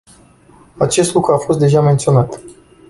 Acest lucru a fost deja menționat.